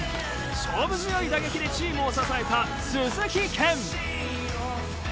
勝負強い打撃でチームを支えた鈴木健。